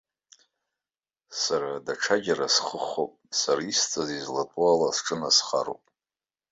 Сара даҽаџьара схы хоуп, сара исҵаз излатәу ала сҿынасхароуп.